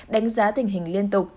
đánh giá tình hình liên tục